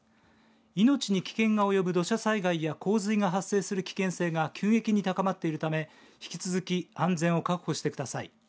命に危険が及ぶ土砂災害や洪水が発生する危険性が急激に高まっているため引き続き安全を確保してください。